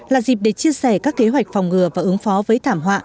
là dịp để chia sẻ các kế hoạch phòng ngừa và ứng phó với thảm họa